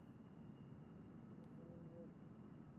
শুধু সত্যি কথা বলবা।